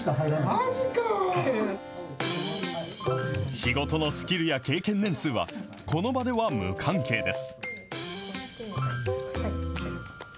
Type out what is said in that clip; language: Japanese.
仕事のスキルや経験年数は、この場では無関係です。